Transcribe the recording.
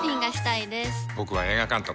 僕は映画監督。